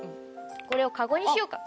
これをカゴにしようか。